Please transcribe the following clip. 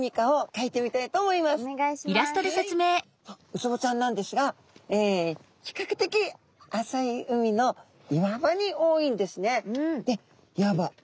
ウツボちゃんなんですが比較的浅い海の岩場に多いんですね。